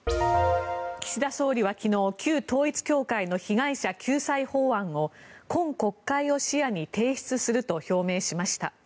岸田総理は昨日旧統一教会の被害者救済法案を今国会を視野に提出すると表明しました。